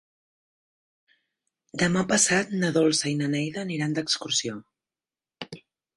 Demà passat na Dolça i na Neida aniran d'excursió.